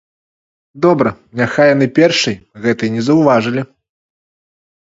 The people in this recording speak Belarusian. Добра, няхай яны першай гэтай не заўважылі.